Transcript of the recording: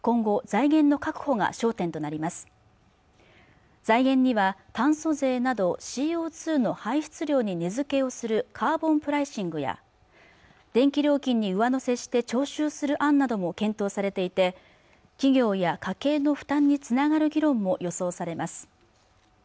財源には炭素税などＣＯ２の排出量に値付けをするカーボンプライシングや電気料金に上乗せして徴収する案なども検討されていて企業や家計の負担につながる議論も予想されます